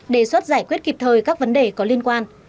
đề xuất giải quyết kịp thời các vấn đề có liên quan